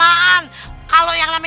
sambar sambar sambar